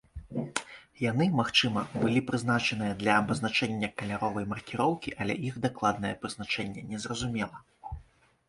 Яны, магчыма, былі прызначаныя для абазначэння каляровай маркіроўкі, але іх дакладнае прызначэнне незразумела.